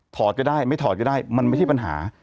อดก็ได้ไม่ถอดก็ได้มันไม่ใช่ปัญหา